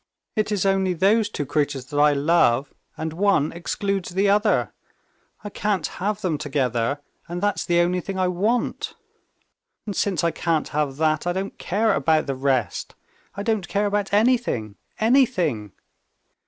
"It is only those two creatures that I love, and one excludes the other. I can't have them together, and that's the only thing I want. And since I can't have that, I don't care about the rest. I don't care about anything, anything.